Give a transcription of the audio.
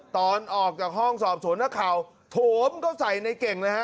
ตอนออกจากห้องสอบสวนข้าวโถมก็ใส่ในเก่งนะครับ